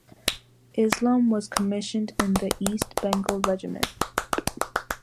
Islam was commissioned in the East Bengal Regiment.